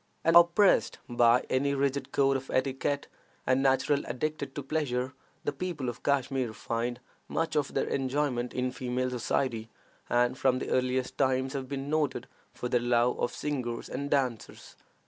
Unoppressed by any rigid code of etiquette, and naturally addicted to pleasure, the people of Kashmir find much of their enjoyment in female society, and from the earliest times have been noted for their love of singers and dancers.